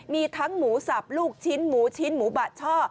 มีทั้งหมูสับลูกชิ้นหมูชิ้นหมูบะช่อ